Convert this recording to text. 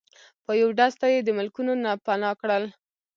په یو ډز ته یی د ملکونو نه پناه کړل